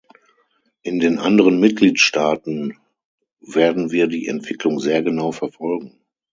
In den anderen Mitgliedstaaten werden wir die Entwicklung sehr genau verfolgen.